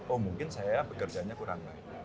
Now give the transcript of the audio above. oh mungkin saya bekerjanya kurang baik